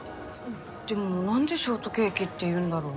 でも何でショートケーキっていうんだろ？